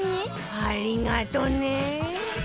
ありがとね！